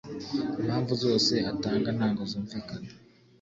impamvu zose atanga ntago zumvikana